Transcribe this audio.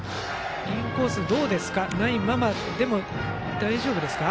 インコースがないままでも大丈夫ですか。